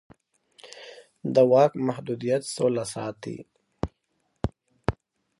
د واک محدودیت سوله ساتي